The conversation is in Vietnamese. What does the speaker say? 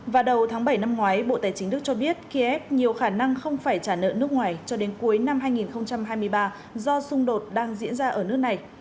vào đầu tháng bảy năm ngoái bộ tài chính đức cho biết kiev nhiều khả năng không phải trả nợ nước ngoài cho đến cuối năm hai nghìn hai mươi ba do xung đột đang diễn ra ở nước này